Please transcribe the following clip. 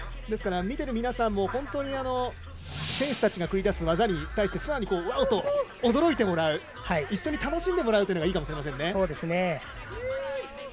ですから見ている皆さんも本当に選手たちが繰り出す技に対して素直に、ワオ！と驚いてもらう一緒に楽しんでもらうのがいいかもしれませんね。